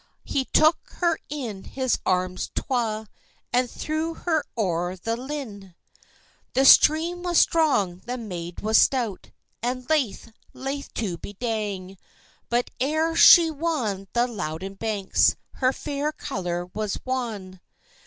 He took her in his arms twa, And threw her o'er the linn. The stream was strong, the maid was stout, And laith, laith to be dang; But ere she wan the Louden banks, Her fair colour was wan.